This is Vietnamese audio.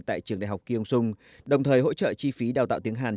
tại trường đại học kiong sung đồng thời hỗ trợ chi phí đào tạo tiếng hàn